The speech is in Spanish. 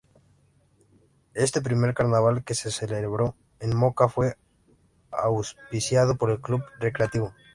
Este primer carnaval que se celebró en Moca fue auspiciado por El Club Recreativo.